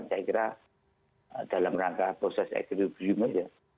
saya kira dalam rangka proses ekstribusi meja